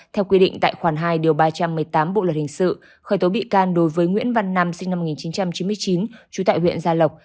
theo quy định tại khoản hai điều ba trăm một mươi tám bộ luật hình sự khởi tố bị can đối với nguyễn văn nam sinh năm một nghìn chín trăm chín mươi chín trú tại huyện gia lộc